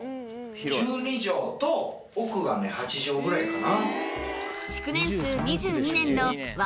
１２畳と奥が８畳ぐらいかな。